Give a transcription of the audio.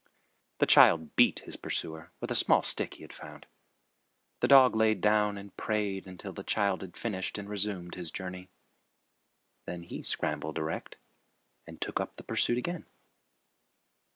The child beat his pursuer with a small stick he had found. The dog lay down and prayed until the child had finished, and resumed his journey. Then he scrambled erect and took up the pursuit again.